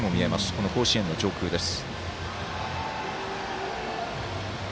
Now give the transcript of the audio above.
この甲子園の上空です。